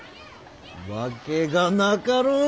わけがなかろう！